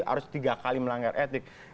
harus tiga kali melanggar etik